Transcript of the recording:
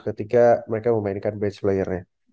ketika mereka memainkan benchplayernya